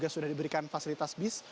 sudah diberikan fasilitas bis